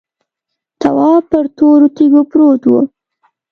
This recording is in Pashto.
تواب پر تورو تیږو پروت و.